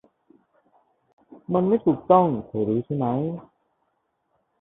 มันไม่ถูกต้องเธอรู้ใช่ไหม